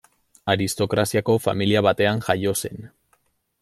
Aristokraziako familia batean jaio zen.